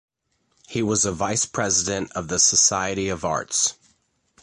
He was a vice-president of the Society of Arts.